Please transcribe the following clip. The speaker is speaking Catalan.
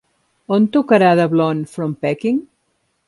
On tocarà The Blond from Peking